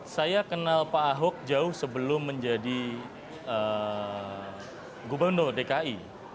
saya kenal pak ahok jauh sebelum menjadi gubernur dki